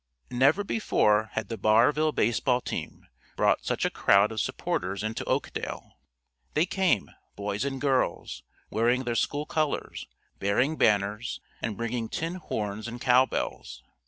Never before had the Barville baseball team brought such a crowd of supporters into Oakdale. They came, boys and girls, wearing their school colors, bearing banners, and bringing tin horns and cowbells.